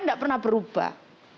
nggak pernah berubah